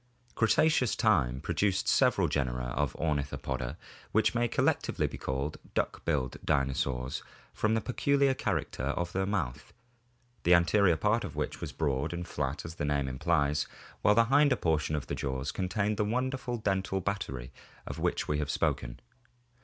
Cretaceous time produced several genera of Ornithopoda, which may collectively be called duck billed dinosaurs from the peculiar character of the mouth, the anterior part of which was broad and flat as the name implies while the hinder portion of the jaws con tained the wonderful dental battery of which we have spoken.